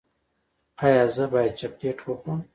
ایا زه باید چاکلیټ وخورم؟